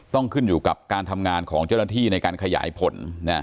ต้องขึ้นอยู่กับการทำงานของเจ้าหน้าที่ในการขยายผล